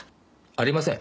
ありません。